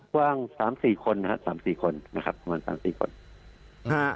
ความกว้าง๓๔คนนะครับ๓๔คนนะครับ